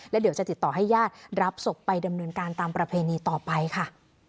เดี๋ยวจะติดต่อให้ญาติรับศพไปดำเนินการตามประเพณีต่อไปค่ะ